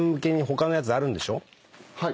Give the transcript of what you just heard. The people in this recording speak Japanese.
はい。